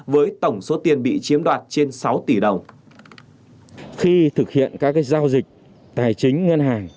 với tổng số tiền bị chiếm đạt trên sáu tỷ đồng